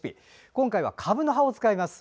今回は、かぶの葉を使います。